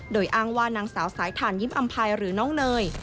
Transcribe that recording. โดยอ้างว่านางสาวสายถ่านยิ้มอำภัยหรือน้องเนย